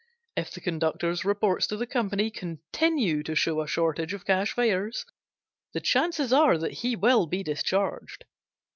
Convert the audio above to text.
If the conductor's reports to the company continue to show a shortage of cash fares, the chances are that he will be discharged.